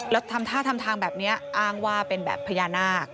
แล้วทำท่าทำทางแบบนี้อ้างว่าเป็นแบบพญานาค